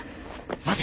待て。